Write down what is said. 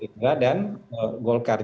pdip gerindra dan golkar